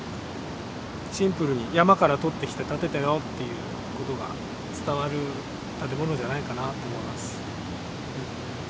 シンプルに山から取ってきて建てたよっていうことが伝わる建物じゃないかなあと思います。